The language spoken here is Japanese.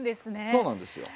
そうなんですよ。